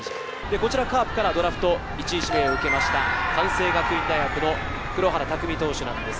こちらカープからドラフト１位指名を受けました、関西学院大学の黒原拓未投手です。